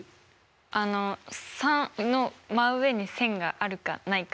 あの３の真上に線があるかないか。